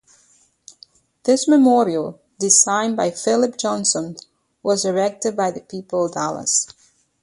This memorial, designed by Philip Johnson, was erected by the people of Dallas.